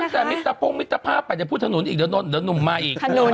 ตั้งแต่มิตรภพมิตรภาพแต่พูดถนนอีกเดี๋ยวนุ่มมาอีก